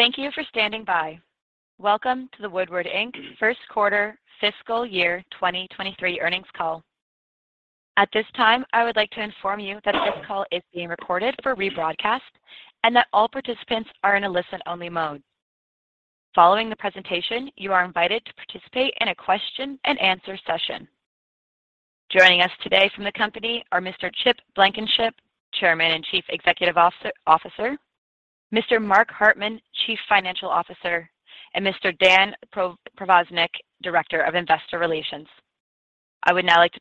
Thank you for standing by. Welcome to the Woodward, Inc. first quarter fiscal year 2023 earnings call. At this time, I would like to inform you that this call is being recorded for rebroadcast and that all participants are in a listen-only mode. Following the presentation, you are invited to participate in a question-and-answer session. Joining us today from the company are Mr. Chip Blankenship, Chairman and Chief Executive Officer, Mr. Mark Hartman, Chief Financial Officer, and Mr. Dan Provaznik, Director of Investor Relations. I would now like to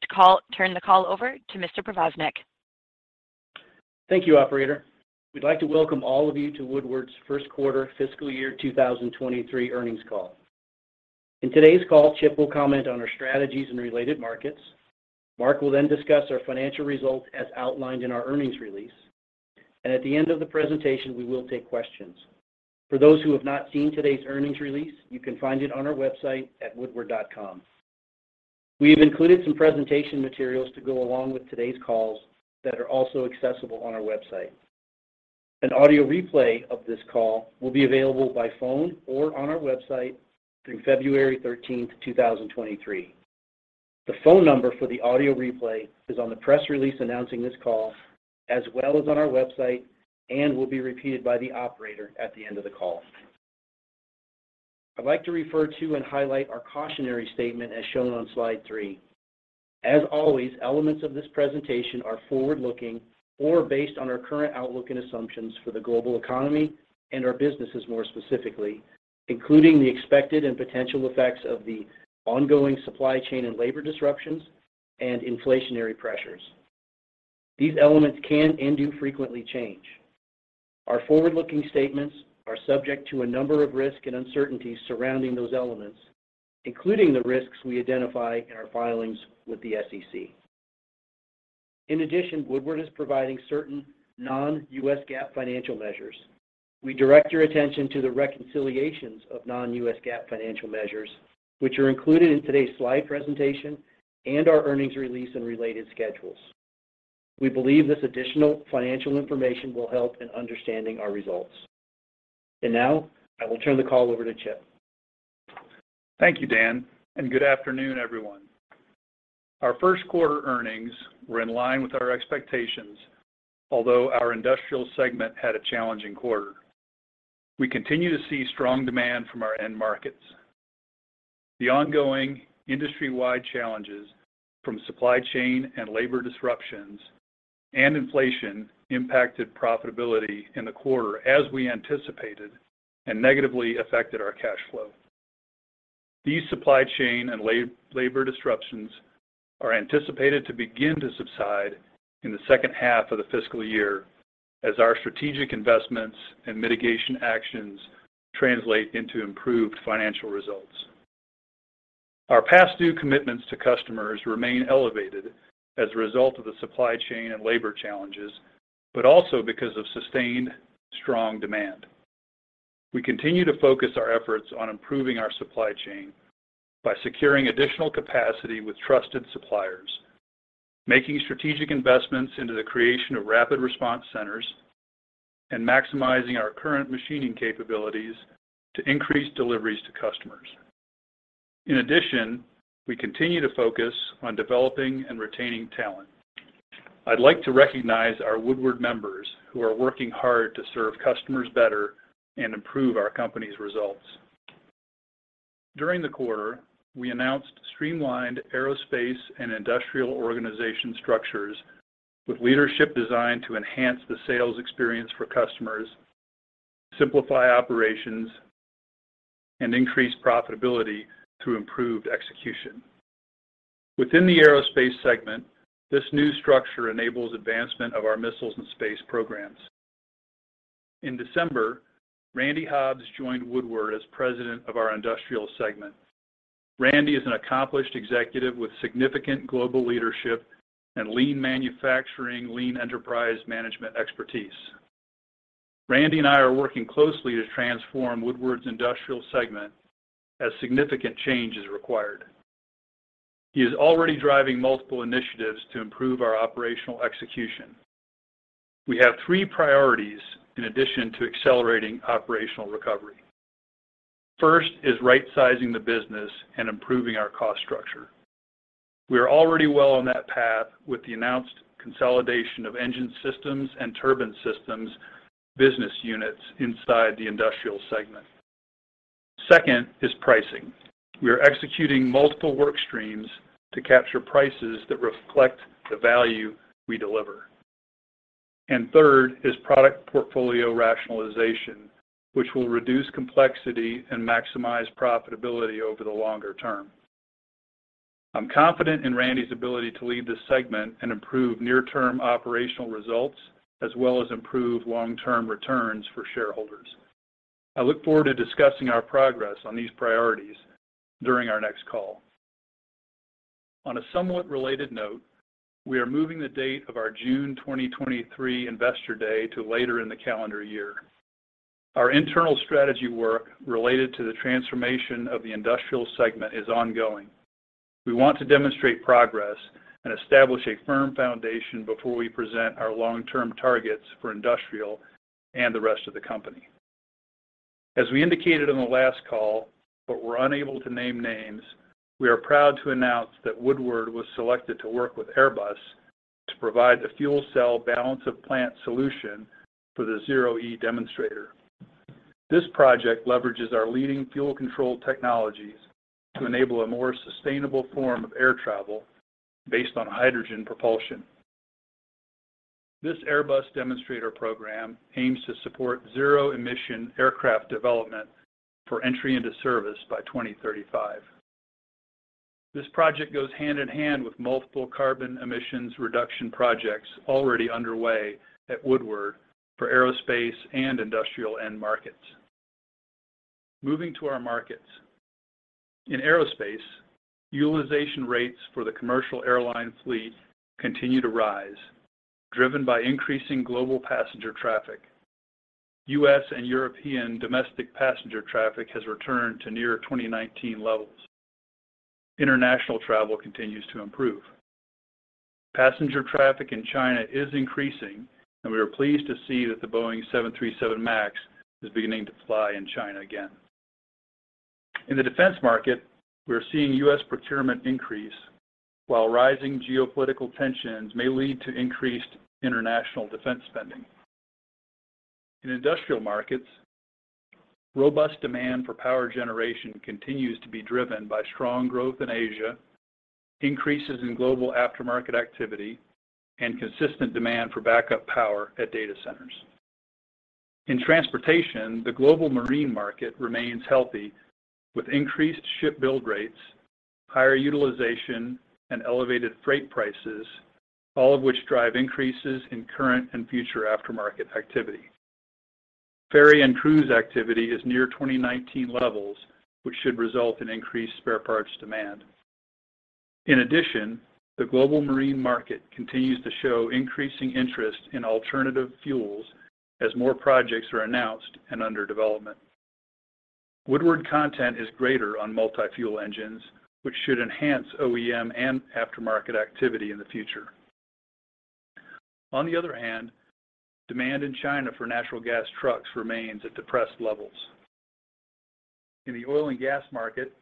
turn the call over to Mr. Provaznik. Thank you, operator. We'd like to welcome all of you to Woodward's first quarter fiscal year 2023 earnings call. In today's call, Chip will comment on our strategies and related markets. Mark will then discuss our financial results as outlined in our earnings release. At the end of the presentation, we will take questions. For those who have not seen today's earnings release, you can find it on our website at woodward.com. We have included some presentation materials to go along with today's calls that are also accessible on our website. An audio replay of this call will be available by phone or on our website through February 13, 2023. The phone number for the audio replay is on the press release announcing this call, as well as on our website, and will be repeated by the operator at the end of the call. I'd like to refer to and highlight our cautionary statement as shown on slide 3. As always, elements of this presentation are forward-looking or based on our current outlook and assumptions for the global economy and our businesses more specifically, including the expected and potential effects of the ongoing supply chain and labor disruptions and inflationary pressures. These elements can and do frequently change. Our forward-looking statements are subject to a number of risks and uncertainties surrounding those elements, including the risks we identify in our filings with the SEC. In addition, Woodward is providing certain non-U.S. GAAP financial measures. We direct your attention to the reconciliations of non-U.S. GAAP financial measures, which are included in today's slide presentation and our earnings release and related schedules. We believe this additional financial information will help in understanding our results. Now, I will turn the call over to Chip. Thank you, Dan. Good afternoon, everyone. Our first quarter earnings were in line with our expectations, although our Industrial segment had a challenging quarter. We continue to see strong demand from our end markets. The ongoing industry-wide challenges from supply chain and labor disruptions and inflation impacted profitability in the quarter as we anticipated and negatively affected our cash flow. These supply chain and labor disruptions are anticipated to begin to subside in the second half of the fiscal year as our strategic investments and mitigation actions translate into improved financial results. Our past due commitments to customers remain elevated as a result of the supply chain and labor challenges, but also because of sustained strong demand. We continue to focus our efforts on improving our supply chain by securing additional capacity with trusted suppliers, making strategic investments into the creation of rapid response centers, and maximizing our current machining capabilities to increase deliveries to customers. In addition, we continue to focus on developing and retaining talent. I'd like to recognize our Woodward members who are working hard to serve customers better and improve our company's results. During the quarter, we announced streamlined Aerospace and Industrial organization structures with leadership designed to enhance the sales experience for customers, simplify operations, and increase profitability through improved execution. Within the Aerospace segment, this new structure enables advancement of our missiles and space programs. In December, Randy Hobbs joined Woodward as President of our Industrial segment. Randy is an accomplished executive with significant global leadership and lean manufacturing, lean enterprise management expertise. Randy and I are working closely to transform Woodward's Industrial segment as significant change is required. He is already driving multiple initiatives to improve our operational execution. We have three priorities in addition to accelerating operational recovery. First is right-sizing the business and improving our cost structure. We are already well on that path with the announced consolidation of engine systems and turbine systems business units inside the Industrial segment. Second is pricing. We are executing multiple work streams to capture prices that reflect the value we deliver. Third is product portfolio rationalization, which will reduce complexity and maximize profitability over the longer term. I'm confident in Randy's ability to lead this segment and improve near-term operational results, as well as improve long-term returns for shareholders. I look forward to discussing our progress on these priorities during our next call. On a somewhat related note, we are moving the date of our June 2023 Investor Day to later in the calendar year. Our internal strategy work related to the transformation of the Industrial segment is ongoing. We want to demonstrate progress and establish a firm foundation before we present our long-term targets for Industrial and the rest of the company. As we indicated on the last call, but were unable to name names, we are proud to announce that Woodward was selected to work with Airbus to provide the fuel cell balance of plant solution for the ZEROe demonstrator. This project leverages our leading fuel control technologies to enable a more sustainable form of air travel based on hydrogen propulsion. This Airbus demonstrator program aims to support zero-emission aircraft development for entry into service by 2035. This project goes hand-in-hand with multiple carbon emissions reduction projects already underway at Woodward for aerospace and industrial end markets. Moving to our markets. In aerospace, utilization rates for the commercial airline fleet continue to rise, driven by increasing global passenger traffic. U.S. and European domestic passenger traffic has returned to near 2019 levels. International travel continues to improve. Passenger traffic in China is increasing, and we are pleased to see that the Boeing 737 MAX is beginning to fly in China again. In the defense market, we're seeing U.S. procurement increase while rising geopolitical tensions may lead to increased international defense spending. In industrial markets, robust demand for power generation continues to be driven by strong growth in Asia, increases in global aftermarket activity, and consistent demand for backup power at data centers. In transportation, the global marine market remains healthy with increased ship build rates, higher utilization, and elevated freight prices, all of which drive increases in current and future aftermarket activity. Ferry and cruise activity is near 2019 levels, which should result in increased spare parts demand. In addition, the global marine market continues to show increasing interest in alternative fuels as more projects are announced and under development. Woodward content is greater on multi-fuel engines, which should enhance OEM and aftermarket activity in the future. On the other hand, demand in China for natural gas trucks remains at depressed levels. In the oil and gas market,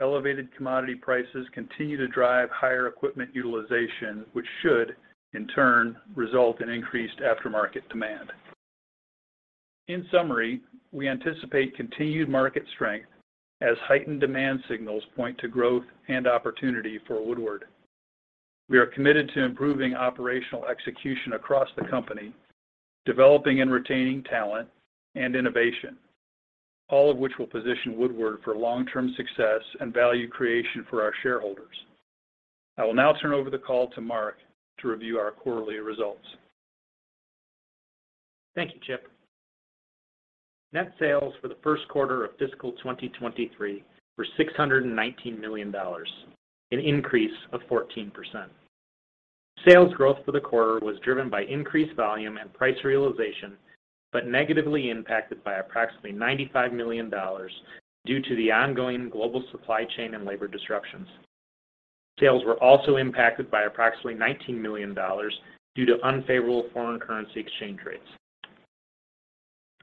elevated commodity prices continue to drive higher equipment utilization, which should, in turn, result in increased aftermarket demand. In summary, we anticipate continued market strength as heightened demand signals point to growth and opportunity for Woodward. We are committed to improving operational execution across the company, developing and retaining talent and innovation, all of which will position Woodward for long-term success and value creation for our shareholders. I will now turn over the call to Mark to review our quarterly results. Thank you, Chip. Net sales for the first quarter of fiscal 2023 were $619 million, an increase of 14%. Sales growth for the quarter was driven by increased volume and price realization, negatively impacted by approximately $95 million due to the ongoing global supply chain and labor disruptions. Sales were also impacted by approximately $19 million due to unfavorable foreign currency exchange rates.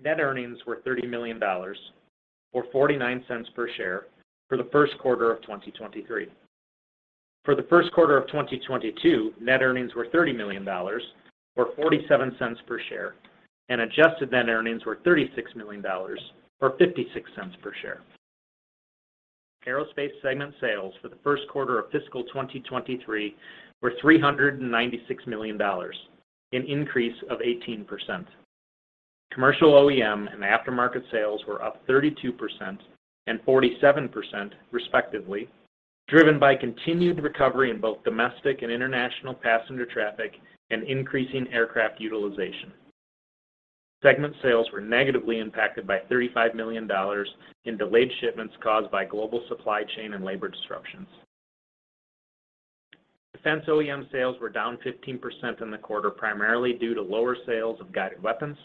Net earnings were $30 million, or $0.49 per share for the first quarter of 2023. For the first quarter of 2022, net earnings were $30 million or $0.47 per share, adjusted net earnings were $36 million or $0.56 per share. Aerospace segment sales for the first quarter of fiscal 2023 were $396 million, an increase of 18%. Commercial OEM and aftermarket sales were up 32% and 47% respectively, driven by continued recovery in both domestic and international passenger traffic and increasing aircraft utilization. Segment sales were negatively impacted by $35 million in delayed shipments caused by global supply chain and labor disruptions. Defense OEM sales were down 15% in the quarter, primarily due to lower sales of guided weapons.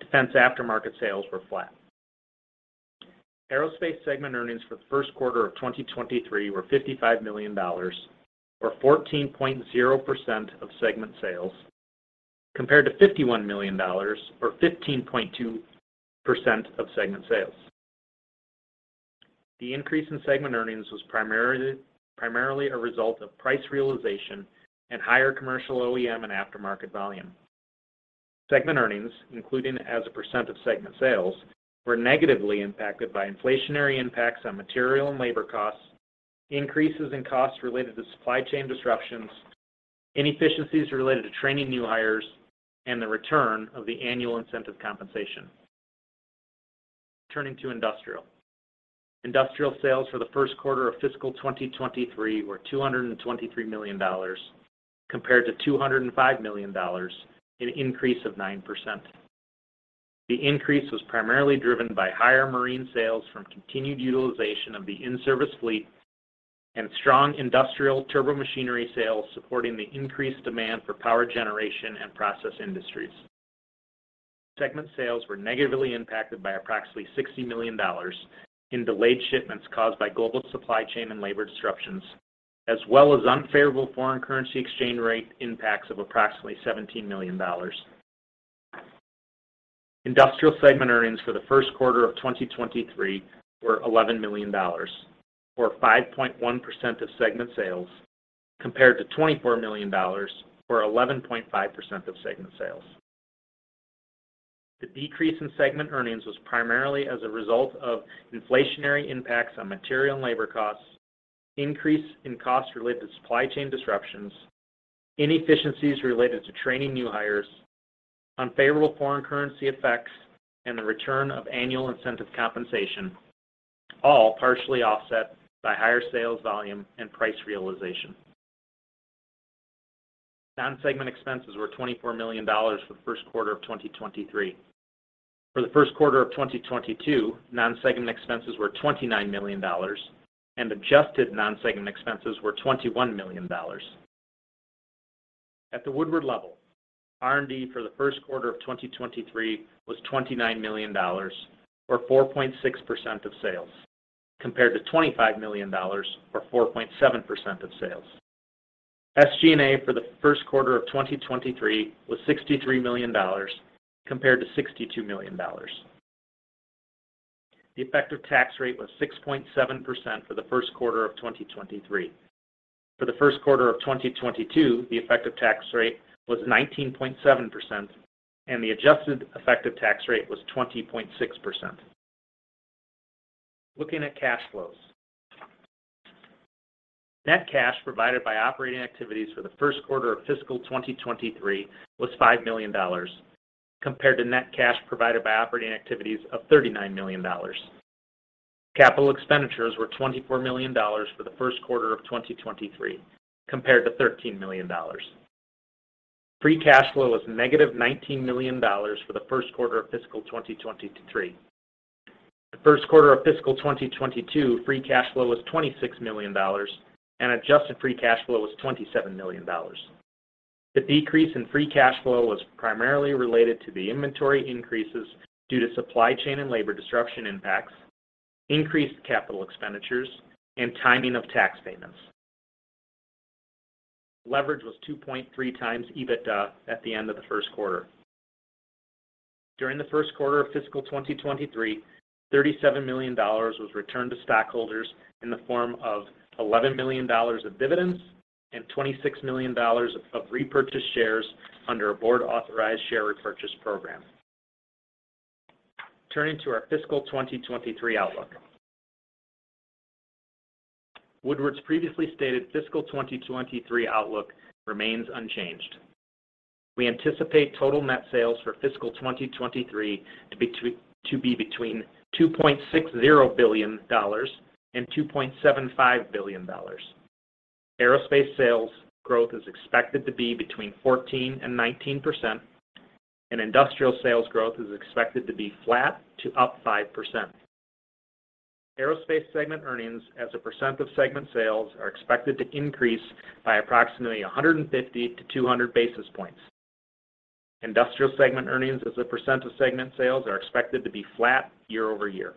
Defense aftermarket sales were flat. Aerospace segment earnings for the first quarter of 2023 were $55 million, or 14.0% of segment sales, compared to $51 million, or 15.2% of segment sales. The increase in segment earnings was primarily a result of price realization and higher commercial OEM and aftermarket volume. Segment earnings, including as a % of segment sales, were negatively impacted by inflationary impacts on material and labor costs, increases in costs related to supply chain disruptions, inefficiencies related to training new hires, and the return of the annual incentive compensation. Turning to Industrial. Industrial sales for the first quarter of fiscal 2023 were $223 million, compared to $205 million, an increase of 9%. The increase was primarily driven by higher marine sales from continued utilization of the in-service fleet and strong industrial turbomachinery sales supporting the increased demand for power generation and process industries. Segment sales were negatively impacted by approximately $60 million in delayed shipments caused by global supply chain and labor disruptions, as well as unfavorable foreign currency exchange rate impacts of approximately $17 million. Industrial segment earnings for the first quarter of 2023 were $11 million, or 5.1% of segment sales, compared to $24 million, or 11.5% of segment sales. The decrease in segment earnings was primarily as a result of inflationary impacts on material and labor costs, increase in costs related to supply chain disruptions, inefficiencies related to training new hires, unfavorable foreign currency effects, and the return of annual incentive compensation, all partially offset by higher sales volume and price realization. Non-segment expenses were $24 million for the first quarter of 2023. For the first quarter of 2022, non-segment expenses were $29 million, and adjusted non-segment expenses were $21 million. At the Woodward level, R&D for the first quarter of 2023 was $29 million, or 4.6% of sales, compared to $25 million, or 4.7% of sales. SG&A for the first quarter of 2023 was $63 million compared to $62 million. The effective tax rate was 6.7% for the first quarter of 2023. For the first quarter of 2022, the effective tax rate was 19.7%, and the adjusted effective tax rate was 20.6%. Looking at cash flows. Net cash provided by operating activities for the first quarter of fiscal 2023 was $5 million compared to net cash provided by operating activities of $39 million. Capital expenditures were $24 million for the first quarter of 2023 compared to $13 million. Free cash flow was negative $19 million for the first quarter of fiscal 2023. The first quarter of fiscal 2022, free cash flow was $26 million, and adjusted free cash flow was $27 million. The decrease in free cash flow was primarily related to the inventory increases due to supply chain and labor disruption impacts, increased capital expenditures, and timing of tax payments. Leverage was 2.3x EBITDA at the end of the first quarter. During the first quarter of fiscal 2023, $37 million was returned to stockholders in the form of $11 million of dividends and $26 million of repurchased shares under a board-authorized share repurchase program. Turning to our fiscal 2023 outlook. Woodward's previously stated fiscal 2023 outlook remains unchanged. We anticipate total net sales for FY23 to be between $2.60 billion and $2.75 billion. Aerospace sales growth is expected to be between 14% and 19%, and industrial sales growth is expected to be flat to up 5%. Aerospace segment earnings as a percent of segment sales are expected to increase by approximately 150 to 200 basis points. Industrial segment earnings as a percent of segment sales are expected to be flat year-over-year.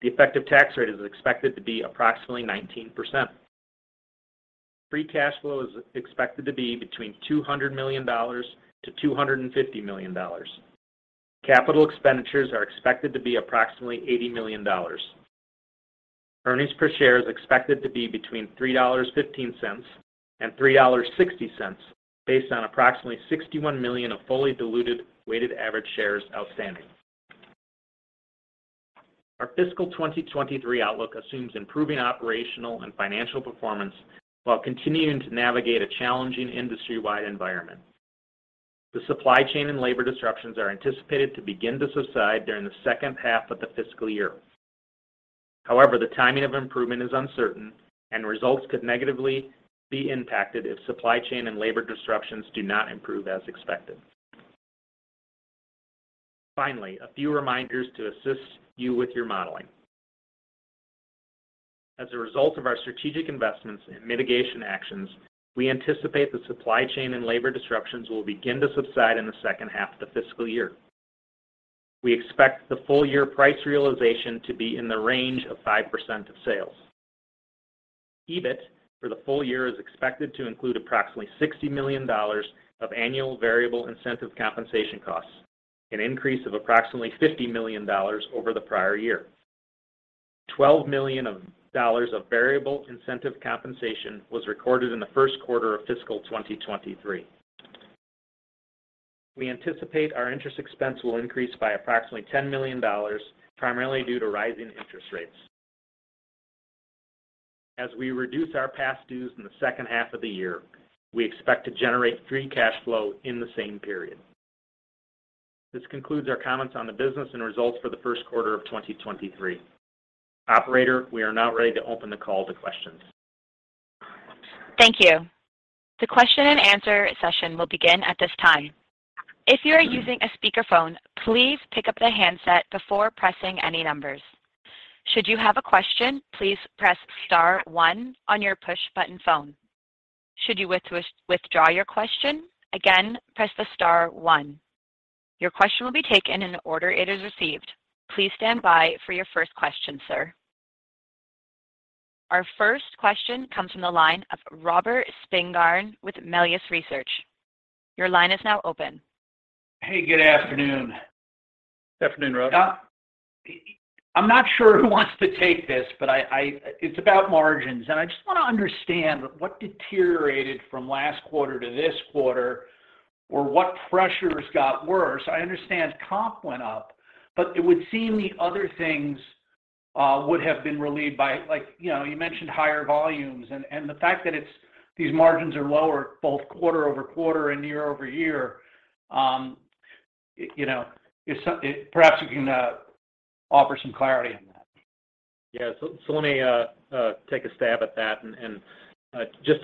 The effective tax rate is expected to be approximately 19%. Free cash flow is expected to be between $200 million to $250 million. CapEx are expected to be approximately $80 million. Earnings per share is expected to be between $3.15 and $3.60 based on approximately 61 million of fully diluted weighted average shares outstanding. Our fiscal 2023 outlook assumes improving operational and financial performance while continuing to navigate a challenging industry-wide environment. The supply chain and labor disruptions are anticipated to begin to subside during the second half of the fiscal year. The timing of improvement is uncertain and results could negatively be impacted if supply chain and labor disruptions do not improve as expected. A few reminders to assist you with your modeling. As a result of our strategic investments and mitigation actions, we anticipate the supply chain and labor disruptions will begin to subside in the second half of the fiscal year. We expect the full year price realization to be in the range of 5% of sales. EBIT for the full year is expected to include approximately $60 million of annual variable incentive compensation costs, an increase of approximately $50 million over the prior year. $12 million of variable incentive compensation was recorded in the first quarter of fiscal 2023. We anticipate our interest expense will increase by approximately $10 million, primarily due to rising interest rates. As we reduce our past dues in the second half of the year, we expect to generate free cash flow in the same period. This concludes our comments on the business and results for the first quarter of 2023. Operator, we are now ready to open the call to questions. Thank you. The question and answer session will begin at this time. If you are using a speakerphone, please pick up the handset before pressing any numbers. Should you have a question, please press star one on your push button phone. Should you withdraw your question, again, press the star one. Your question will be taken in the order it is received. Please stand by for your first question, sir. Our first question comes from the line of Robert Spingarn with Melius Research. Your line is now open. Hey, good afternoon. Good afternoon, Rob. I'm not sure who wants to take this, but it's about margins, and I just wanna understand what deteriorated from last quarter to this quarter or what pressures got worse. I understand comp went up, but it would seem the other things would have been relieved by, like, you know, you mentioned higher volumes and the fact that these margins are lower both quarter-over-quarter and year-over-year, you know, perhaps you can offer some clarity on that. Yeah. Let me take a stab at that and just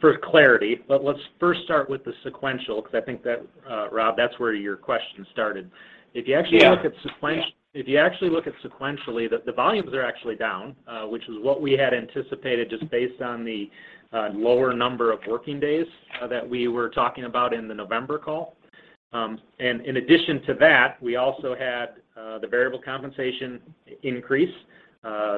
for clarity, but let's first start with the sequential, because I think that, Rob, that's where your question started. Yeah. If you actually look at sequentially, the volumes are actually down, which is what we had anticipated just based on the lower number of working days that we were talking about in the November call. In addition to that, we also had the variable compensation increase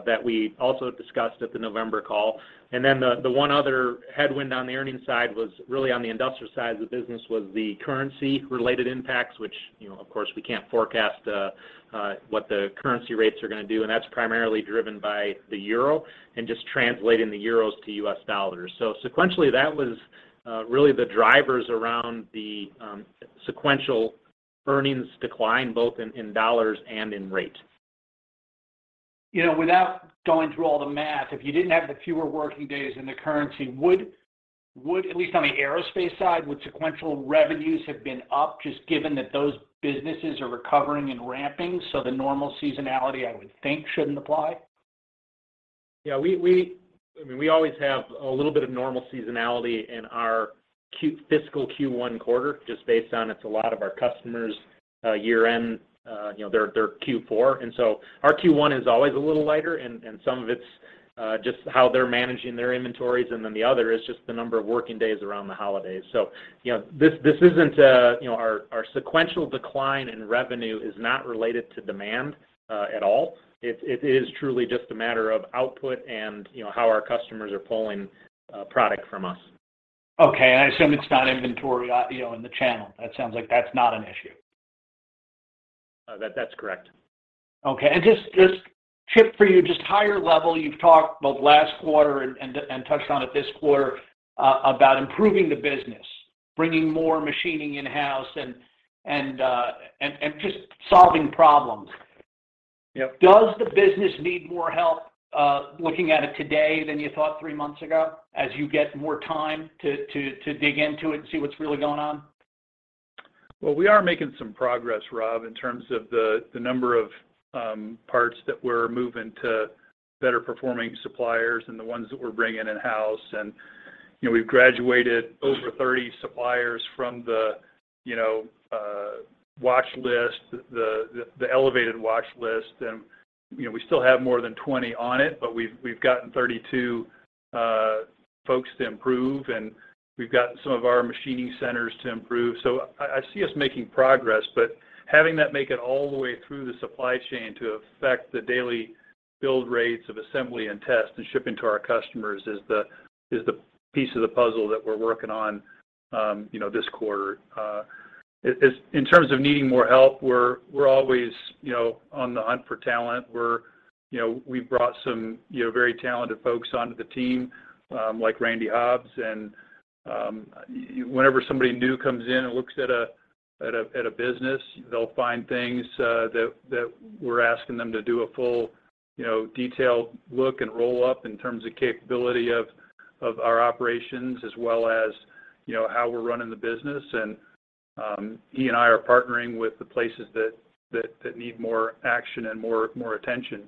that we also discussed at the November call. The one other headwind on the earnings side was really on the industrial side of the business, was the currency related impacts, which, you know, of course, we can't forecast what the currency rates are gonna do, and that's primarily driven by the euro and just translating the euros to US dollars. Sequentially, that was really the drivers around the sequential earnings decline both in dollars and in rate. You know, without going through all the math, if you didn't have the fewer working days and the currency, would, at least on the aerospace side, would sequential revenues have been up just given that those businesses are recovering and ramping? The normal seasonality, I would think, shouldn't apply. I mean, we always have a little bit of normal seasonality in our fiscal Q1 quarter just based on it's a lot of our customers' year-end, you know, their Q4. Our Q1 is always a little lighter, and some of it's just how they're managing their inventories, and then the other is just the number of working days around the holidays. You know, this isn't, you know, our sequential decline in revenue is not related to demand at all. It is truly just a matter of output and, you know, how our customers are pulling product from us. Okay. I assume it's not inventory, you know, in the channel. That sounds like that's not an issue. That's correct. Okay. Just Chip, for you just higher level, you've talked both last quarter and touched on it this quarter about improving the business, bringing more machining in-house and just solving problems. Yep. Does the business need more help, looking at it today than you thought 3 months ago, as you get more time to dig into it and see what's really going on? Well, we are making some progress, Rob, in terms of the number of parts that we're moving to better performing suppliers and the ones that we're bringing in-house. You know, we've graduated over 30 suppliers from the, you know, watch list, the elevated watch list. You know, we still have more than 20 on it, but we've gotten 32 folks to improve, and we've gotten some of our machining centers to improve. I see us making progress, but having that make it all the way through the supply chain to affect the daily build rates of assembly and test and shipping to our customers is the piece of the puzzle that we're working on, you know, this quarter. In terms of needing more help, we're always, you know, on the hunt for talent. We're, you know, we've brought some, you know, very talented folks onto the team, like Randy Hobbs. Whenever somebody new comes in and looks at a business, they'll find things that we're asking them to do a full, you know, detailed look and roll up in terms of capability of our operations as well as, you know, how we're running the business. He and I are partnering with the places that need more action and more attention.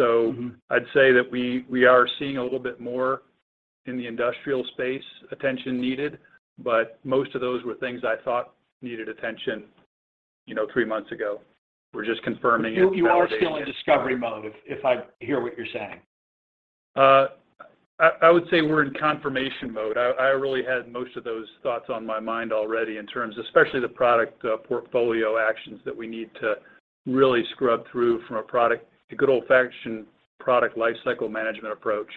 Mm-hmm... I'd say that we are seeing a little bit more in the industrial space attention needed, but most of those were things I thought needed attention, you know, three months ago. We're just confirming it. You are still in discovery mode, if I hear what you're saying. I would say we're in confirmation mode. I really had most of those thoughts on my mind already in terms, especially the product portfolio actions that we need to really scrub through from a product, a good old-fashioned product lifecycle management approach.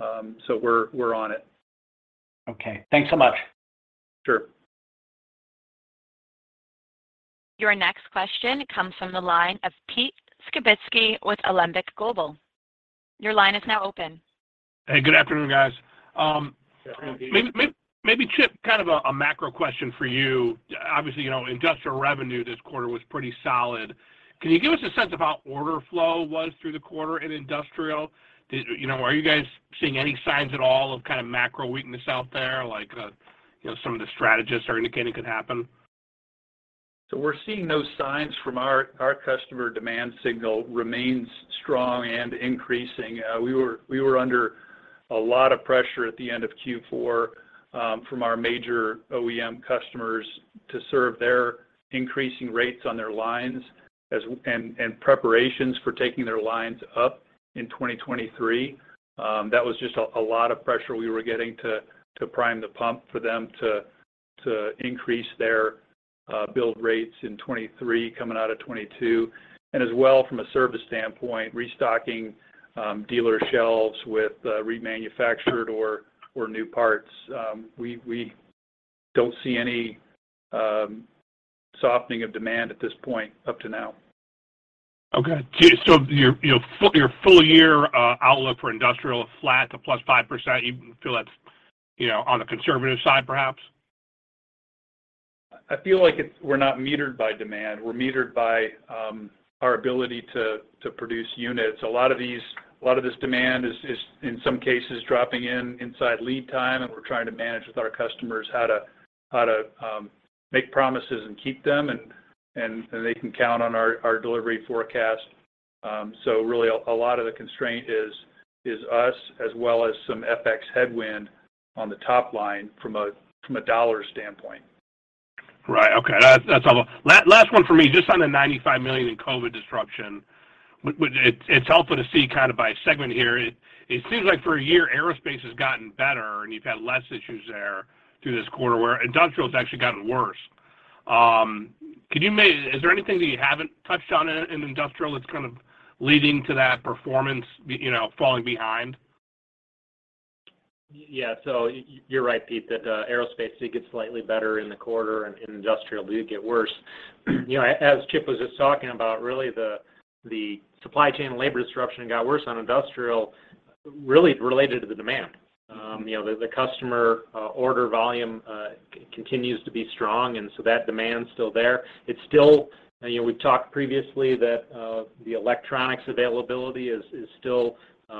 We're on it. Okay. Thanks so much. Sure. Your next question comes from the line of Pete Skibitski with Alembic Global. Your line is now open. Hey, good afternoon, guys. maybe Chip, kind of a macro question for you. Obviously, you know, Industrial revenue this quarter was pretty solid. Can you give us a sense of how order flow was through the quarter in Industrial? You know, are you guys seeing any signs at all of kind of macro weakness out there, like, you know, some of the strategists are indicating could happen? we're seeing no signs from our customer demand signal remains strong and increasing. we were under A lot of pressure at the end of Q4 from our major OEM customers to serve their increasing rates on their lines and preparations for taking their lines up in 2023. That was just a lot of pressure we were getting to prime the pump for them to increase their build rates in 2023 coming out of 2022. As well from a service standpoint, restocking dealer shelves with remanufactured or new parts. We don't see any softening of demand at this point up to now. Okay. your, you know, your full year, outlook for Industrial flat to +5%, you feel that's, you know, on the conservative side perhaps? I feel like it's we're not metered by demand. We're metered by our ability to produce units. A lot of this demand is in some cases dropping in inside lead time, and we're trying to manage with our customers how to make promises and keep them, and they can count on our delivery forecast. Really a lot of the constraint is us as well as some FX headwind on the top line from a dollar standpoint. Right. Okay. That's, that's all. Last one for me, just on the $95 million in COVID disruption. When it's helpful to see kind of by segment here. It seems like for a year, Aerospace has gotten better, and you've had less issues there through this quarter, where Industrial has actually gotten worse. Could you, is there anything that you haven't touched on in Industrial that's kind of leading to that performance, you know, falling behind? You're right, Pete, that aerospace did get slightly better in the quarter and Industrial did get worse. You know, as Chip was just talking about, really the supply chain and labor disruption got worse on Industrial really related to the demand. You know, the customer order volume continues to be strong, and so that demand's still there. It's still, you know, we've talked previously that the electronics availability is still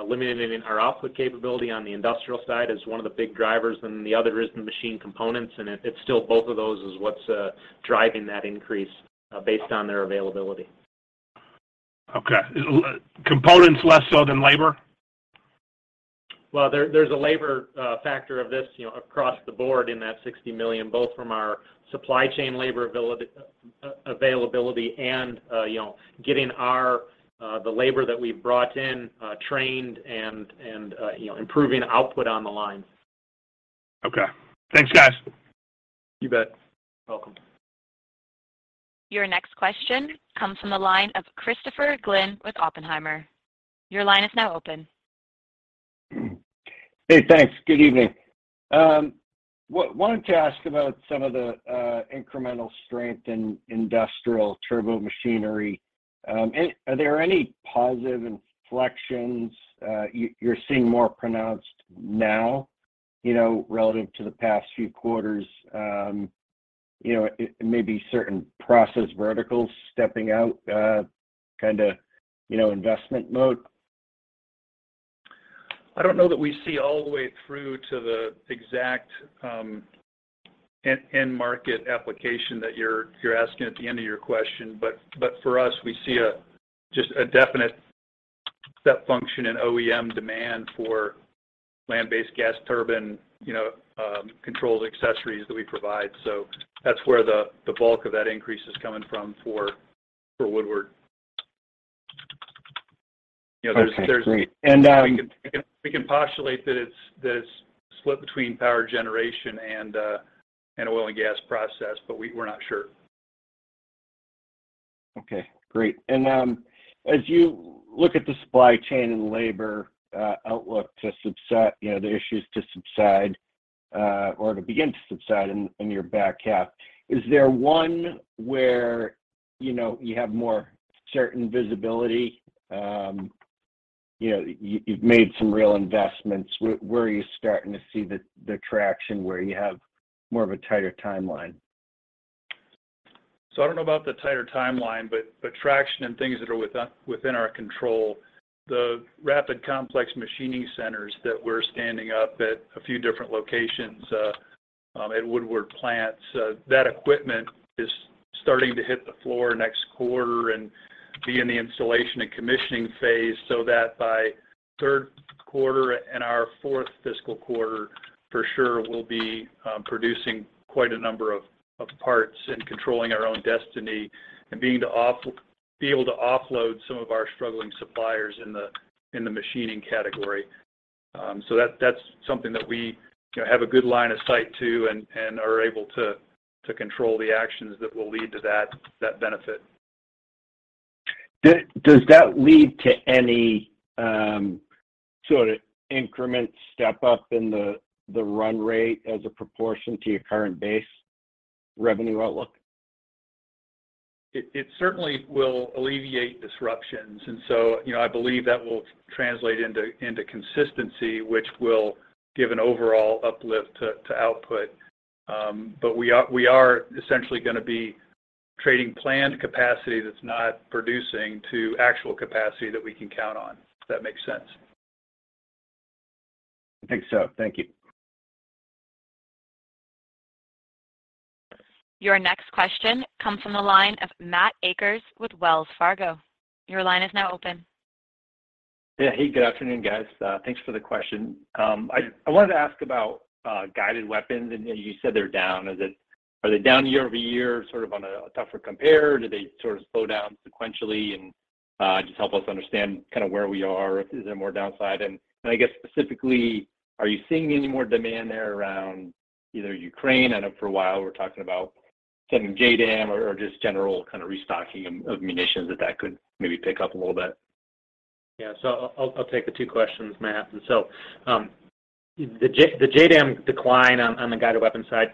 limiting our output capability on the Industrial side is one of the big drivers, and the other is the machine components. It's still both of those is what's driving that increase based on their availability. Okay. Components less so than labor? Well, there's a labor factor of this, you know, across the board in that $60 million, both from our supply chain labor availability and, you know, getting our, the labor that we brought in, trained and, you know, improving output on the line. Okay. Thanks, guys. You bet. Welcome. Your next question comes from the line of Christopher Glynn with Oppenheimer. Your line is now open. Hey, thanks. Good evening. wanted to ask about some of the incremental strength in industrial turbo machinery. Are there any positive inflections you're seeing more pronounced now, you know, relative to the past few quarters, you know, it may be certain process verticals stepping out, kind of, you know, investment mode? I don't know that we see all the way through to the exact, end-end market application that you're asking at the end of your question. But for us, we see just a definite step function in OEM demand for land-based gas turbine, you know, controls accessories that we provide. That's where the bulk of that increase is coming from for Woodward. You know, there's. Okay, great. We can postulate that it's this split between power generation and oil and gas process, but we're not sure. Okay, great. As you look at the supply chain and labor outlook to subset, you know, the issues to subside or to begin to subside in your back half, is there one where, you know, you have more certain visibility? You know, you've made some real investments, where are you starting to see the traction where you have more of a tighter timeline? I don't know about the tighter timeline, but traction and things that are within our control, the rapid complex machining centers that we're standing up at a few different locations, at Woodward plants, that equipment is starting to hit the floor next quarter and be in the installation and commissioning phase so that by third quarter and our fourth fiscal quarter, for sure, we'll be producing quite a number of parts and controlling our own destiny and be able to offload some of our struggling suppliers in the machining category. That's something that we, you know, have a good line of sight to and are able to control the actions that will lead to that benefit. Does that lead to any sort of increment step up in the run rate as a proportion to your current base revenue outlook? It certainly will alleviate disruptions. You know, I believe that will translate into consistency, which will give an overall uplift to output. We are essentially gonna be trading planned capacity that's not producing to actual capacity that we can count on, if that makes sense. I think so. Thank you. Your next question comes from the line of Matt Akers with Wells Fargo. Your line is now open. Yeah. Hey, good afternoon, guys. Thanks for the question. I wanted to ask about guided weapons, and you said they're down. Are they down year-over-year, sort of on a tougher compare? Do they sort of slow down sequentially? Just help us understand kind of where we are. Is there more downside? I guess specifically, are you seeing any more demand there around either Ukraine, I know for a while we're talking about sending JDAM or just general kind of restocking of munitions that could maybe pick up a little bit. Yeah. I'll take the two questions, Matt. The JDAM decline on the guided weapons side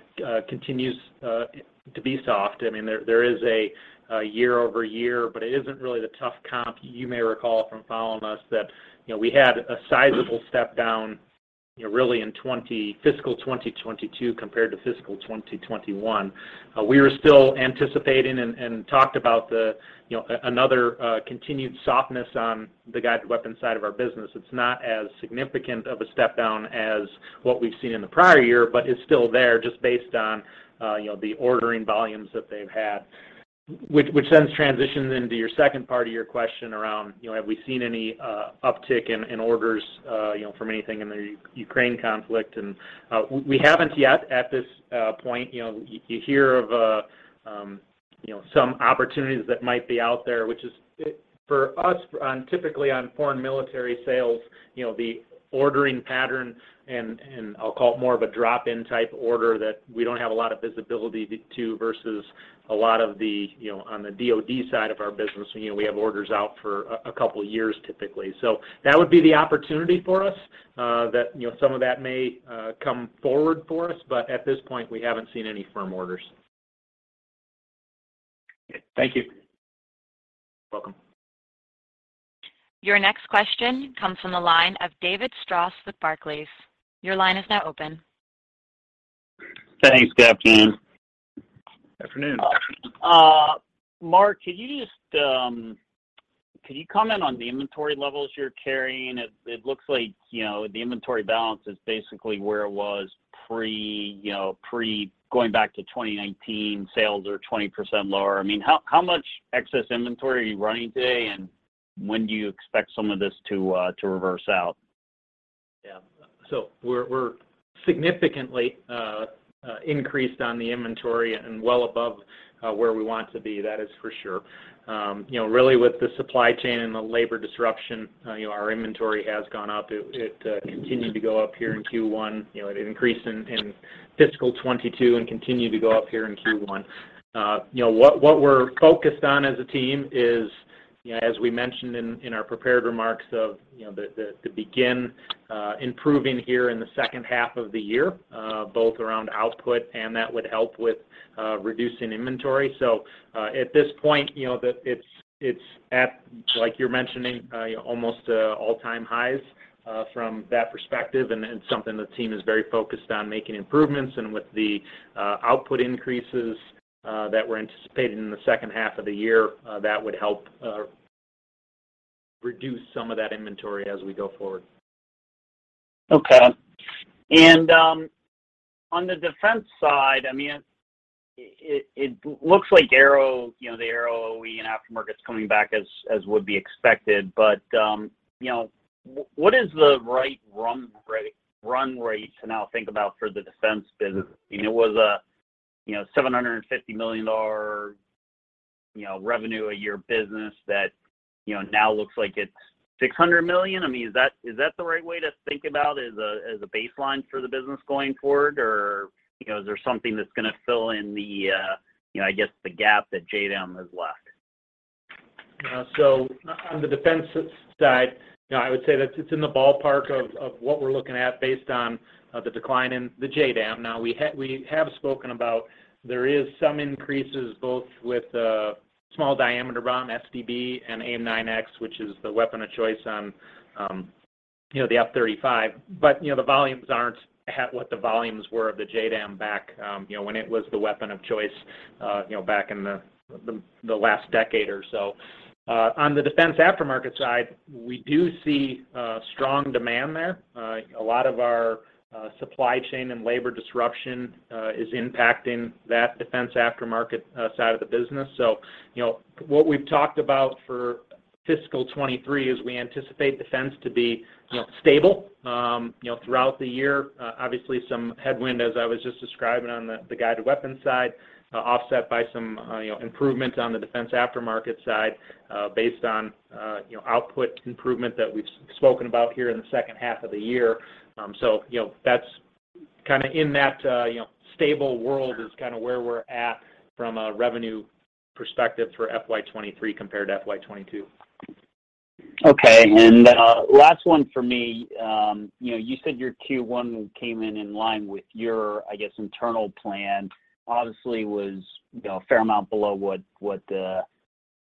continues to be soft. I mean, there is a year-over-year, but it isn't really the tough comp. You may recall from following us that, you know, we had a sizable step-down, you know, really in fiscal 2022 compared to fiscal 2021. We are still anticipating and talked about the, you know, another continued softness on the guided weapons side of our business. It's not as significant of a step-down as what we've seen in the prior year, but it's still there just based on, you know, the ordering volumes that they've had. Which then transitions into your second part of your question around, you know, have we seen any uptick in orders, you know, from anything in the Ukraine conflict. We haven't yet at this point. You know, you hear of a, you know, some opportunities that might be out there, which is, for us typically on Foreign Military Sales, you know, the ordering pattern, and I'll call it more of a drop-in type order that we don't have a lot of visibility to versus a lot of the, you know, on the DoD side of our business. You know, we have orders out for a couple of years typically. That would be the opportunity for us that, you know, some of that may come forward for us. At this point, we haven't seen any firm orders. Thank you. Welcome. Your next question comes from the line of David Strauss with Barclays. Your line is now open. Thanks. Good afternoon. Afternoon. Mark, could you just comment on the inventory levels you're carrying? It looks like, you know, the inventory balance is basically where it was pre going back to 2019, sales are 20% lower. I mean, how much excess inventory are you running today, and when do you expect some of this to reverse out? Yeah. We're significantly increased on the inventory and well above where we want to be. That is for sure. You know, really with the supply chain and the labor disruption, you know, our inventory has gone up. It continued to go up here in Q1. You know, it increased in fiscal 2022 and continued to go up here in Q1. You know, what we're focused on as a team is, you know, as we mentioned in our prepared remarks of, you know, to begin improving here in the second half of the year, both around output, and that would help with reducing inventory. At this point, you know, it's at, like you're mentioning, almost all-time highs from that perspective. It's something the team is very focused on making improvements. With the output increases that we're anticipating in the second half of the year, that would help reduce some of that inventory as we go forward. Okay. On the defense side, I mean, it looks like Aero, you know, the Aero One and aftermarket's coming back as would be expected. What is the right run rate to now think about for the defense business? I mean, it was a, you know, $750 million, you know, revenue a year business that, you know, now looks like it's $600 million. I mean, is that the right way to think about as a baseline for the business going forward? Is there something that's gonna fill in the, you know, I guess the gap that JDAM has left? On the defense side, you know, I would say that it's in the ballpark of what we're looking at based on the decline in the JDAM. Now, we have spoken about there is some increases both with the Small Diameter Bomb, SDB, and AIM-9X, which is the weapon of choice on, you know, the F-35. You know, the volumes aren't at what the volumes were of the JDAM back, you know, when it was the weapon of choice, you know, back in the last decade or so. On the defense aftermarket side, we do see strong demand there. A lot of our supply chain and labor disruption is impacting that defense aftermarket side of the business. You know, what we've talked about for fiscal 2023 is we anticipate defense to be, you know, stable, you know, throughout the year. Obviously some headwind, as I was just describing on the guided weapons side, offset by some, you know, improvement on the defense aftermarket side, based on, you know, output improvement that we've spoken about here in the second half of the year. You know, that's kinda in that, you know, stable world is kinda where we're at from a revenue perspective for FY 2023 compared to FY 2022. Okay. Last one for me. You know, you said your Q1 came in in line with your, I guess, internal plan. Obviously was, you know, a fair amount below what the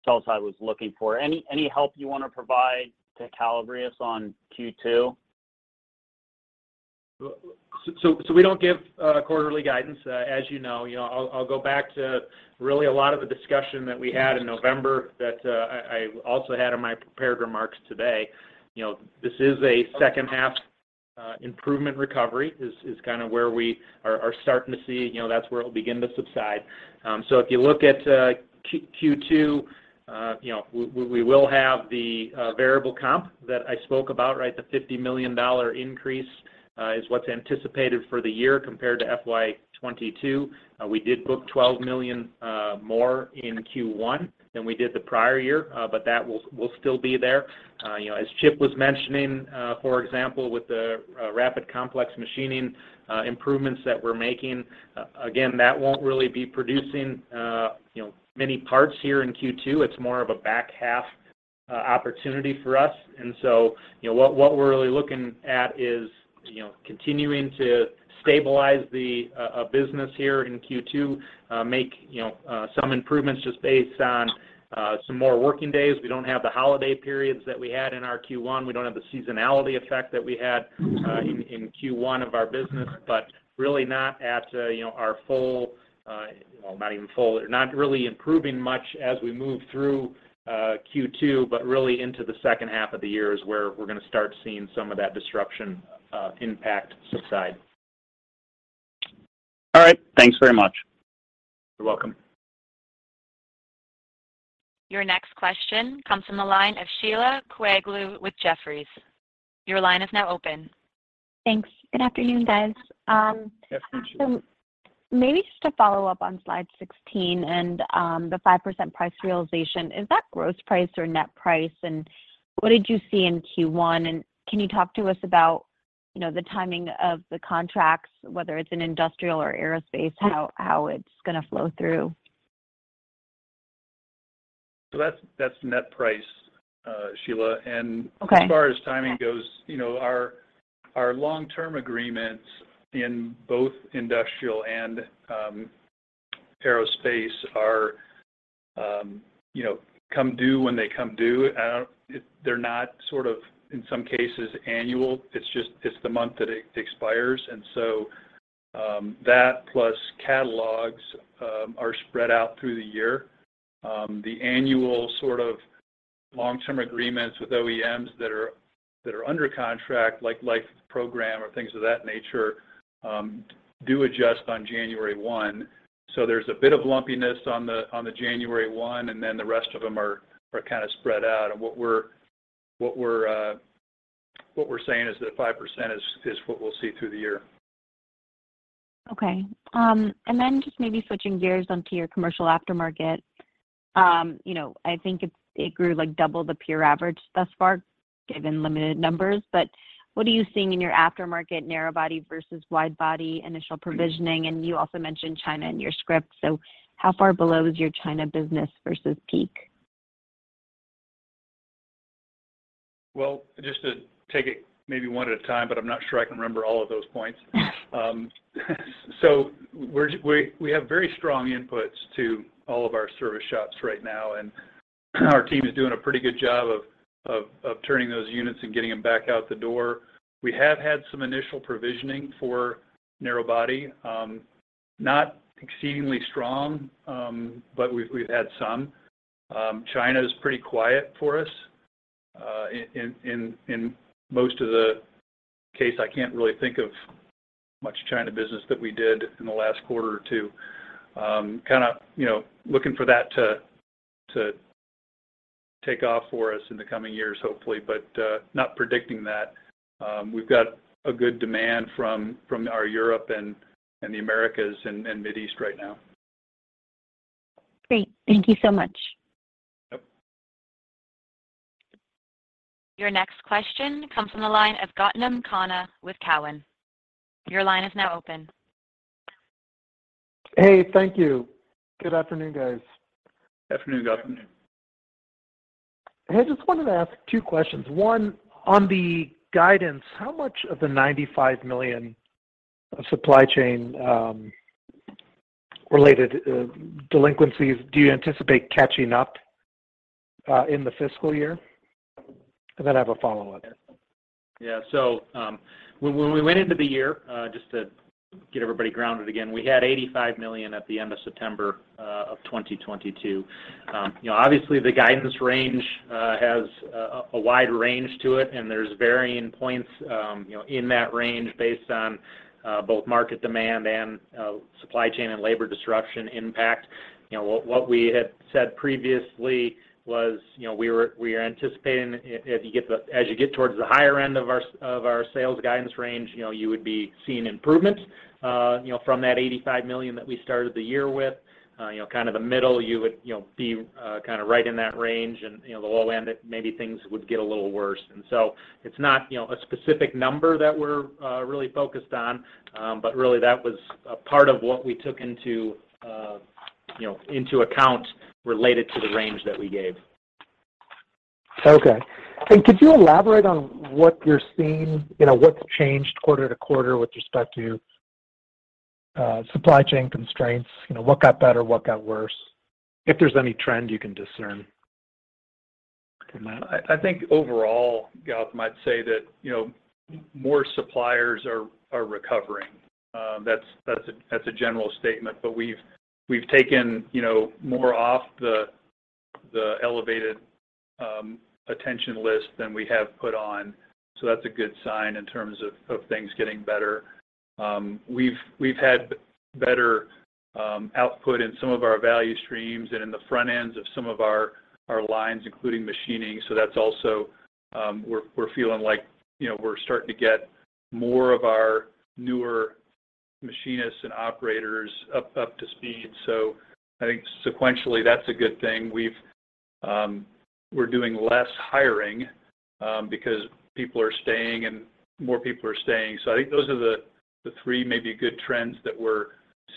sell side was looking for. Any help you wanna provide to calibrate us on Q2? We don't give quarterly guidance, as you know. You know, I'll go back to really a lot of the discussion that we had in November that I also had in my prepared remarks today. You know, this is a second half improvement recovery is kind of where we are starting to see. You know, that's where it'll begin to subside. If you look at Q2, you know, we will have the variable comp that I spoke about, right? The $50 million increase is what's anticipated for the year compared to FY 2022. We did book $12 million more in Q1 than we did the prior year. That will still be there. p was mentioning, for example, with the rapid complex machining improvements that we're making, again, that won't really be producing many parts here in Q2. It's more of a back half opportunity for us. So, you know, what we're really looking at is, you know, continuing to stabilize the business here in Q2. Make, you know, some improvements just based on some more working days. We don't have the holiday periods that we had in our Q1. We don't have the seasonality effect that we had in Q1 of our business. Really not at, you know, our full, well, not even full, not really improving much as we move through Q2, but really into the second half of the year is where we're gonna start seeing some of that disruption impact subside. All right. Thanks very much. You're welcome. Your next question comes from the line of Sheila Kahyaoglu with Jefferies. Your line is now open. Thanks. Good afternoon, guys. Yes. Good afternoon. Maybe just to follow up on slide 16 and the 5% price realization. Is that gross price or net price? What did you see in Q1, can you talk to us about, you know, the timing of the contracts, whether it's in industrial or aerospace, how it's gonna flow through? That's net price, Sheila. Okay. As far as timing goes, you know, our long-term agreements in both industrial and aerospace are, you know, come due when they come due. They're not sort of, in some cases, annual. It's just, it's the month that it expires. That plus catalogs, are spread out through the year. The annual sort of long-term agreements with OEMs that are under contract, like life program or things of that nature, do adjust on January 1. There's a bit of lumpiness on the, on the January 1, and then the rest of them are kind of spread out. What we're saying is that 5% is what we'll see through the year. Okay. Just maybe switching gears onto your commercial aftermarket. You know, I think it grew, like, double the peer average thus far, given limited numbers. What are you seeing in your aftermarket narrow body versus wide body initial provisioning? You also mentioned China in your script. How far below is your China business versus peak? Just to take it maybe 1 at a time, but I'm not sure I can remember all of those points. We have very strong inputs to all of our service shops right now, and our team is doing a pretty good job of turning those units and getting them back out the door. We have had some initial provisioning for narrow body, not exceedingly strong, but we've had some. China is pretty quiet for us. In most of the case, I can't really think of much China business that we did in the last quarter or 2. Kind of, you know, looking for that to take off for us in the coming years, hopefully, but not predicting that. We've got a good demand from our Europe and the Americas and Mid East right now. Great. Thank you so much. Yep. Your next question comes from the line of Gautam Khanna with Cowen. Your line is now open. Hey. Thank you. Good afternoon, guys. Afternoon, Gautam. I just wanted to ask two questions. One, on the guidance, how much of the $95 million supply chain related delinquencies do you anticipate catching up in the fiscal year? I have a follow-up. Yeah. When we went into the year, just to get everybody grounded again, we had $85 million at the end of September of 2022. You know, obviously the guidance range has a wide range to it, and there's varying points, you know, in that range based on both market demand and supply chain and labor disruption impact. You know, what we had said previously was, you know, we are anticipating as you get towards the higher end of our sales guidance range, you know, you would be seeing improvements, you know, from that $85 million that we started the year with. You know, kind of the middle, you would, you know, be kind of right in that range, and, you know, the low end maybe things would get a little worse. It's not, you know, a specific number that we're really focused on. Really that was a part of what we took into, you know, into account related to the range that we gave. Okay. Could you elaborate on what you're seeing? You know, what's changed quarter-to-quarter with respect to supply chain constraints? You know, what got better, what got worse? If there's any trend you can discern. I think overall, Gautam, I'd say that, you know, more suppliers are recovering. That's a general statement, but we've taken, you know, more off the. The elevated attention list than we have put on, that's a good sign in terms of things getting better. We've had better output in some of our value streams and in the front ends of some of our lines, including machining, that's also we're feeling like, you know, we're starting to get more of our newer machinists and operators up to speed. I think sequentially that's a good thing. We're doing less hiring because people are staying and more people are staying. I think those are the three maybe good trends that we're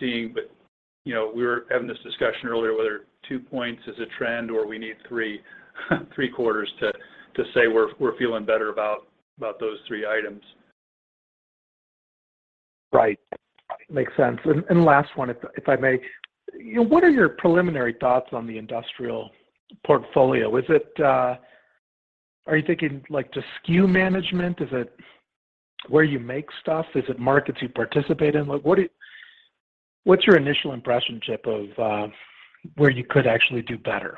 seeing. You know, we were having this discussion earlier, whether two points is a trend or we need three quarters to say we're feeling better about those three items. Right. Makes sense. Last one, if I may. You know, what are your preliminary thoughts on the industrial portfolio? Is it... Are you thinking like just SKU management? Is it where you make stuff? Is it markets you participate in? Like what's your initial impression, Chip, of where you could actually do better?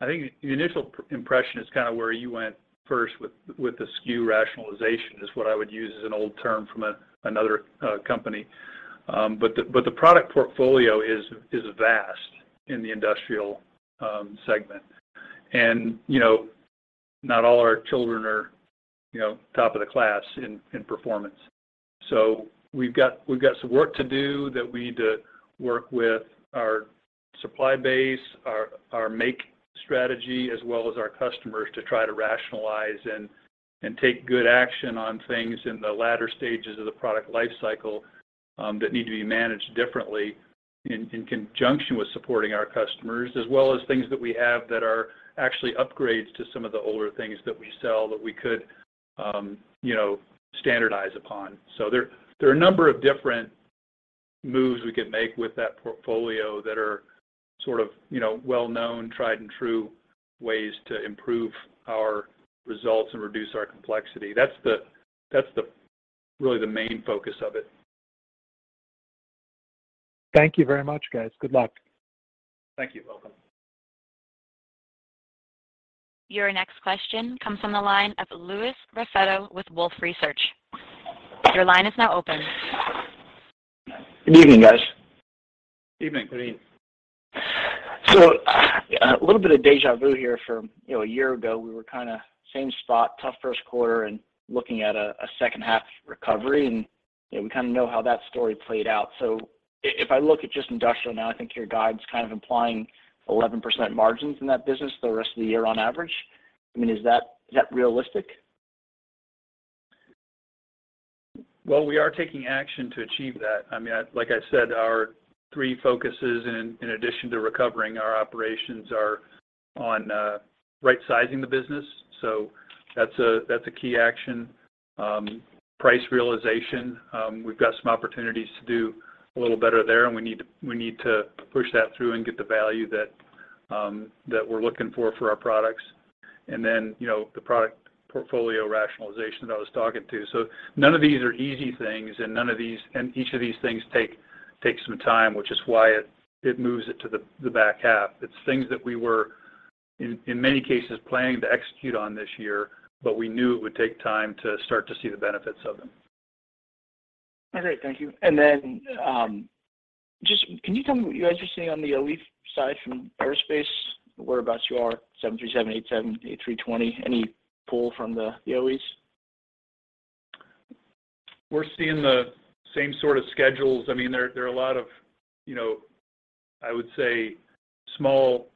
I think the initial impression is kind of where you went first with the SKU rationalization, is what I would use as an old term from another company. The product portfolio is vast in the Industrial segment. You know, not all our children are, you know, top of the class in performance. We've got some work to do that we need to work with our supply base, our make strategy, as well as our customers to try to rationalize and take good action on things in the latter stages of the product life cycle that need to be managed differently in conjunction with supporting our customers, as well as things that we have that are actually upgrades to some of the older things that we sell that we could, you know, standardize upon. There are a number of different moves we could make with that portfolio that are sort of, you know, well-known, tried and true ways to improve our results and reduce our complexity. That's the really the main focus of it. Thank you very much, guys. Good luck. Thank you. Welcome. Your next question comes from the line of Louis Raffetto with Wolfe Research. Your line is now open. Good evening, guys. Evening. Good evening. A little bit of deja vu here from, you know, a year ago, we were kind of same spot, tough first quarter and looking at a second half recovery, and, you know, we kind of know how that story played out. If I look at just Industrial now, I think your guide's kind of implying 11% margins in that business the rest of the year on average. I mean, is that realistic? We are taking action to achieve that. I mean, Like I said, our three focuses in addition to recovering our operations are on right-sizing the business. That's a key action. Price realization, we've got some opportunities to do a little better there, and we need to, we need to push that through and get the value that we're looking for for our products. Then, you know, the product portfolio rationalization that I was talking to. None of these are easy things, and each of these things take some time, which is why it moves it to the back half. It's things that we were in many cases planning to execute on this year, but we knew it would take time to start to see the benefits of them. All right, thank you. Just can you tell me what you guys are seeing on the OE side from aerospace, whereabouts you are, 737, 787, A320? Any pull from the OEs? We're seeing the same sort of schedules. I mean, there are a lot of, you know, I would say small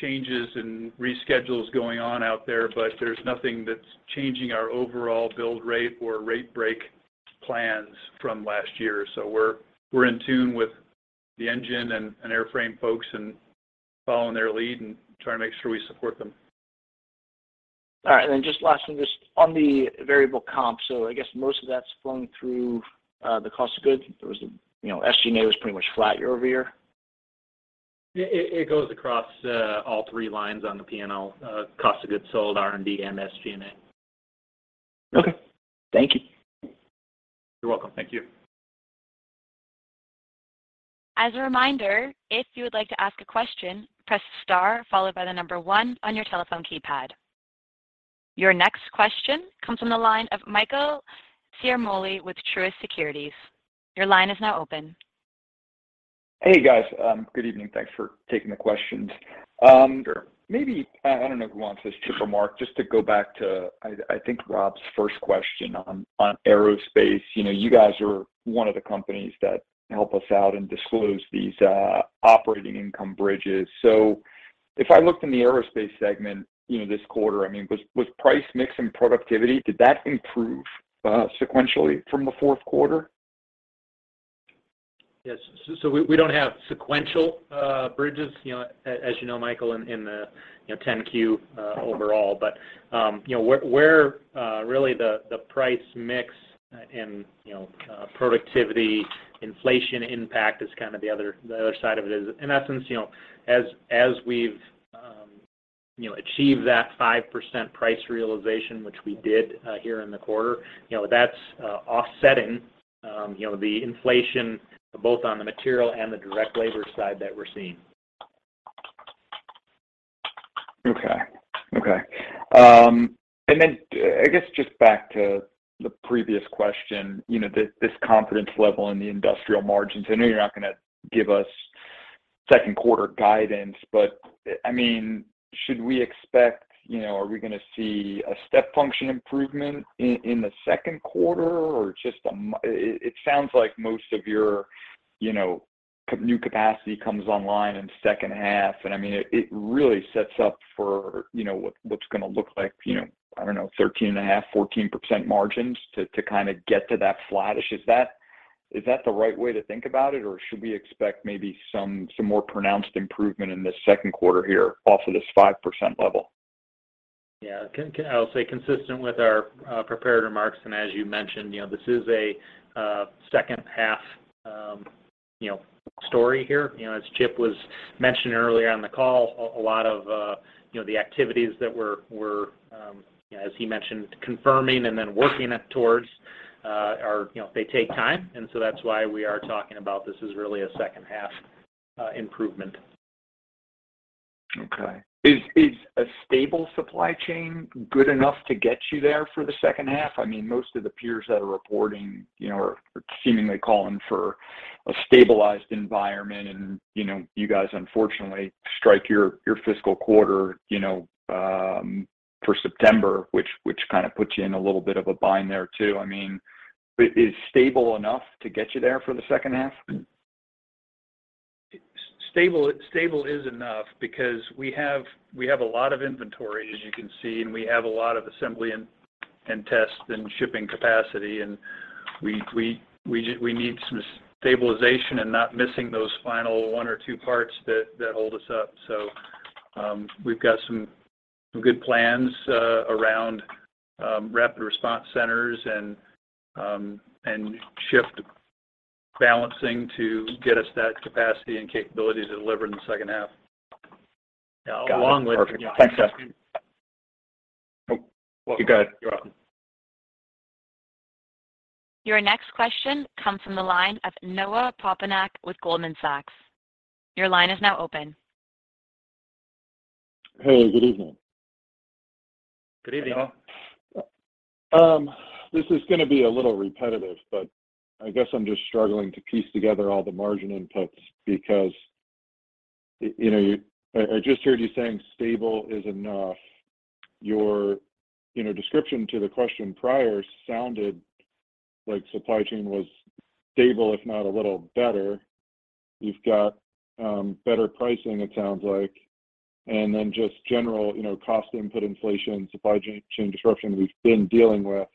changes and reschedules going on out there, but there's nothing that's changing our overall build rate or rate break plans from last year. We're, we're in tune with the engine and airframe folks and following their lead and trying to make sure we support them. All right. Just last thing, just on the variable comp. I guess most of that's flowing through the cost of goods. There was, you know, SG&A was pretty much flat year-over-year. It goes across all three lines on the P&L. Cost of goods sold, R&D, and SG&A. Okay. Thank you. You're welcome. Thank you. As a reminder, if you would like to ask a question, press star followed by the number one on your telephone keypad. Your next question comes from the line of Michael Ciarmoli with Truist Securities. Your line is now open. Hey, guys. Good evening. Thanks for taking the questions. Sure. Maybe, I don't know who wants this, Chip or Mark, just to go back to I think Rob's first question on aerospace. You know, you guys are one of the companies that help us out and disclose these operating income bridges. If I looked in the aerospace segment, you know, this quarter, I mean, was price mix and productivity, did that improve sequentially from the fourth quarter? Yes. We don't have sequential bridges, you know, as you know, Michael, in the, you know, 10-Q overall. You know, where really the price mix and, you know, productivity inflation impact is kind of the other side of it is in essence, you know, as we've. You know, achieve that 5% price realization, which we did, here in the quarter. You know, that's offsetting, you know, the inflation both on the material and the direct labor side that we're seeing. Okay. Okay. Then, I guess just back to the previous question, you know, this confidence level in the Industrial margins. I know you're not gonna give us second quarter guidance, but, I mean, should we expect, you know, are we gonna see a step function improvement in the second quarter? Or just it sounds like most of your, you know, new capacity comes online in second half. I mean, it really sets up for, you know, what's gonna look like, you know, I don't know, 13.5%-14% margins to kind of get to that flattish. Is that the right way to think about it, or should we expect maybe some more pronounced improvement in this second quarter here off of this 5% level? Yeah. I'll say consistent with our prepared remarks, as you mentioned, you know, this is a second half, you know, story here. You know, as Chip was mentioning earlier on the call, a lot of, you know, the activities that we're, as he mentioned, confirming and then working towards, are, you know, they take time. That's why we are talking about this as really a second half improvement. Okay. Is a stable supply chain good enough to get you there for the second half? I mean, most of the peers that are reporting, you know, are seemingly calling for a stabilized environment. You know, you guys unfortunately strike your fiscal quarter, you know, for September, which kind of puts you in a little bit of a bind there too. I mean, is stable enough to get you there for the second half? Stable is enough because we have a lot of inventory, as you can see, and we have a lot of assembly and test and shipping capacity. We need some stabilization and not missing those final 1 or 2 parts that hold us up. We've got some good plans around rapid response centers and shift balancing to get us that capacity and capability to deliver in the second half. Got it. Perfect. Thanks, Chip. Welcome. You're good. You're welcome. Your next question comes from the line of Noah Poponak with Goldman Sachs. Your line is now open. Hey, good evening. Good evening. Hello. This is going to be a little repetitive, but I guess I'm just struggling to piece together all the margin inputs because, you know, you... I just heard you saying stable is enough. Your, you know, description to the question prior sounded like supply chain was stable, if not a little better. You've got, better pricing, it sounds like, and then just general, you know, cost input inflation, supply chain disruption we've been dealing with.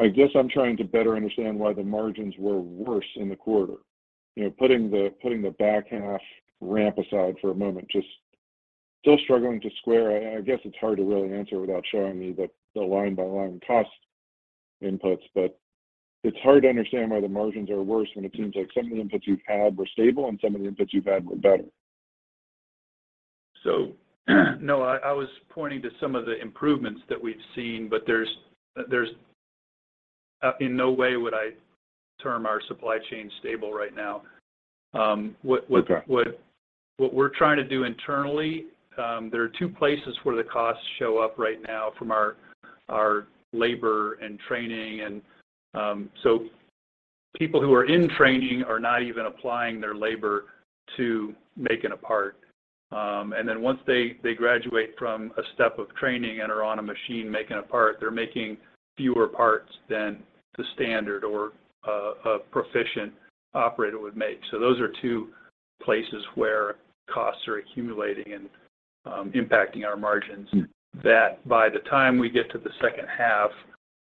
I guess I'm trying to better understand why the margins were worse in the quarter. You know, putting the back half ramp aside for a moment, just still struggling to square. I guess it's hard to really answer without showing me the line by line cost inputs. It's hard to understand why the margins are worse when it seems like some of the inputs you've had were stable and some of the inputs you've had were better. Noah, I was pointing to some of the improvements that we've seen, but there's in no way would I term our supply chain stable right now. what. Okay What we're trying to do internally, there are two places where the costs show up right now from our labor and training. People who are in training are not even applying their labor to making a part. Once they graduate from a step of training and are on a machine making a part, they're making fewer parts than the standard or a proficient operator would make. Those are two places where costs are accumulating and impacting our margins. Mm. By the time we get to the second half,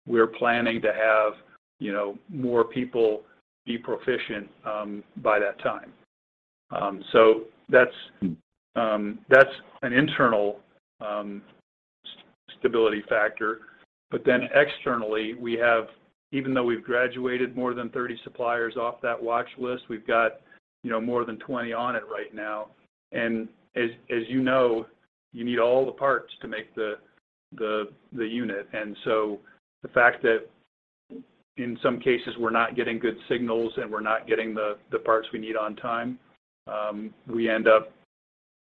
we're planning to have, you know, more people be proficient, by that time. That's. Mm that's an internal stability factor. Externally, we have, even though we've graduated more than 30 suppliers off that watch list, we've got, you know, more than 20 on it right now. As you know, you need all the parts to make the unit. The fact that in some cases we're not getting good signals, and we're not getting the parts we need on time, we end up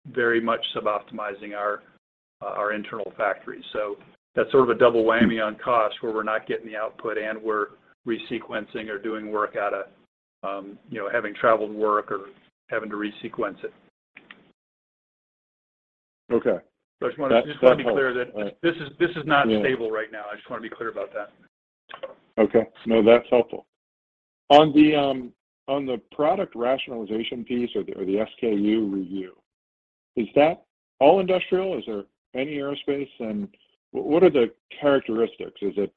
very much suboptimizing our internal factories. That's sort of a double whammy on cost, where we're not getting the output and we're resequencing or doing work out of, you know, having traveled work or having to resequence it. Okay. That helps. I just want to be clear that this is not stable right now. I just want to be clear about that. Okay. No, that's helpful. On the, on the product rationalization piece or the, or the SKU review, is that all industrial? Is there any aerospace? What are the characteristics? Is it,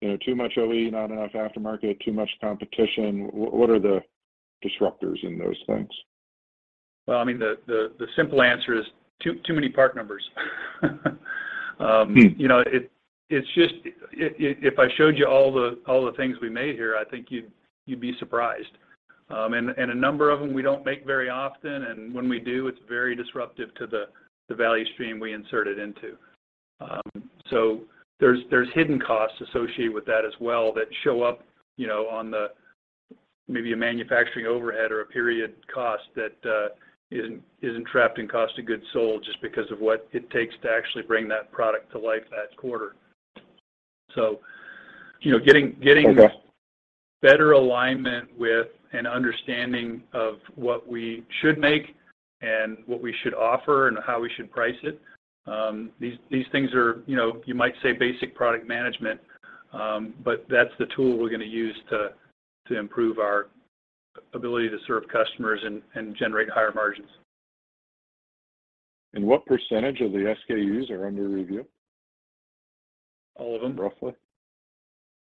you know, too much OE, not enough aftermarket, too much competition? What, what are the disruptors in those things? Well, I mean, the simple answer is too many part numbers. you know, it's just if I showed you all the things we made here, I think you'd be surprised. A number of them we don't make very often, and when we do, it's very disruptive to the value stream we insert it into. There's hidden costs associated with that as well that show up, you know, on the maybe a manufacturing overhead or a period cost that isn't trapped in Cost of Goods Sold just because of what it takes to actually bring that product to life that quarter. you know, getting Okay... better alignment with an understanding of what we should make and what we should offer and how we should price it, these things are, you know, you might say basic product management, but that's the tool we're gonna use to improve our ability to serve customers and generate higher margins. What % of the SKUs are under review? All of them. Roughly?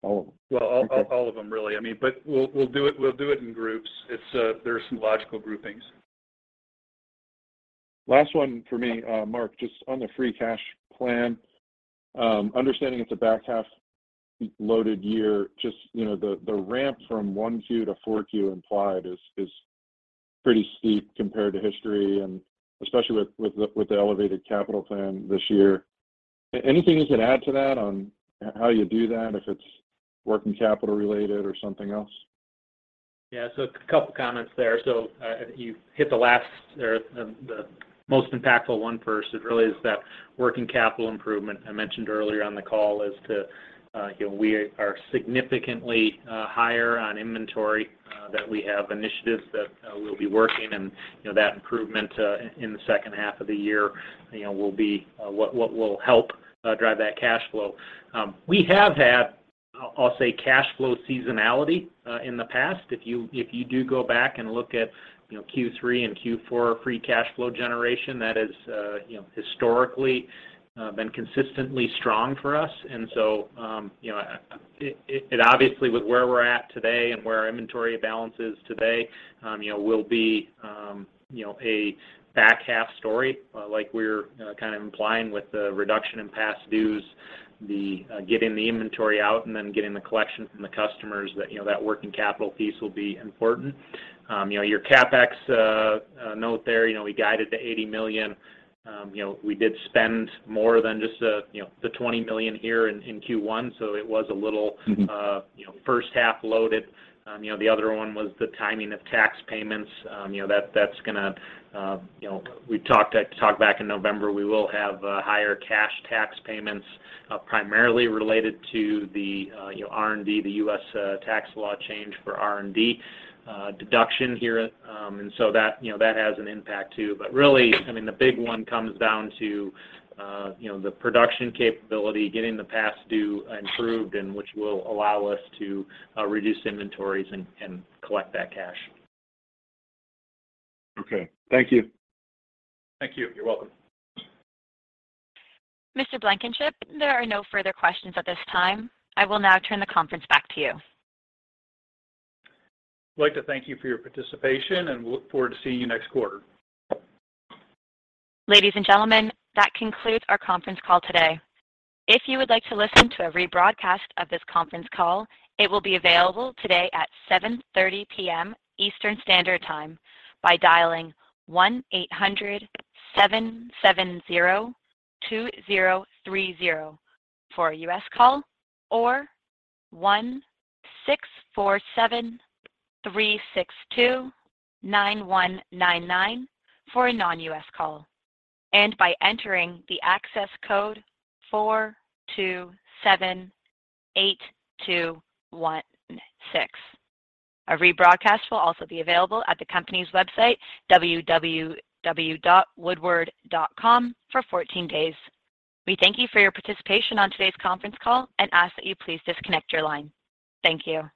All of them. Okay. Well, all of them, really. I mean, we'll do it, we'll do it in groups. It's, there are some logical groupings. Last one for me, Mark, just on the free cash plan, understanding it's a back half loaded year, just, you know, the ramp from 1Q to 4Q implied is pretty steep compared to history and especially with the elevated capital plan this year. Anything you can add to that on how you do that, if it's working capital related or something else? A couple comments there. You hit the last or the most impactful one first. It really is that working capital improvement I mentioned earlier on the call as to, you know, we are significantly higher on inventory that we have initiatives that we'll be working and, you know, that improvement in the second half of the year, you know, will be what will help drive that cash flow. We have had, I'll say, cash flow seasonality in the past. If you do go back and look at, you know, Q3 and Q4 free cash flow generation, that has, historically, been consistently strong for us. You know, obviously with where we're at today and where our inventory balance is today, you know, will be, you know, a back half story, like we're kind of implying with the reduction in past dues, the getting the inventory out and then getting the collection from the customers that, you know, that working capital piece will be important. You know, your CapEx note there, you know, we guided to $80 million. You know, we did spend more than just, you know, the $20 million here in Q1, so it was. Mm-hmm... you know, first half loaded. You know, the other one was the timing of tax payments. You know, that's gonna, you know, we talked back in November, we will have higher cash tax payments, primarily related to the, you know, R&D, the U.S. tax law change for R&D deduction here. That, you know, that has an impact too. Really, I mean, the big one comes down to, you know, the production capability, getting the past due improved, which will allow us to reduce inventories and collect that cash. Okay. Thank you. Thank you. You're welcome. Mr. Blankenship, there are no further questions at this time. I will now turn the conference back to you. I'd like to thank you for your participation, and we look forward to seeing you next quarter. Ladies and gentlemen, that concludes our conference call today. If you would like to listen to a rebroadcast of this conference call, it will be available today at 7:30 P.M. Eastern Standard Time by dialing 1-800-770-2030 for a U.S. call, or 1-647-362-9199 for a non-U.S. call, by entering the access code 4278216. A rebroadcast will also be available at the company's website, www.woodward.com, for 14 days. We thank you for your participation on today's conference call and ask that you please disconnect your line. Thank you.